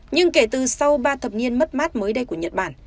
nhưng kể từ sau ba thập niên mất mát mới đây của nhật bản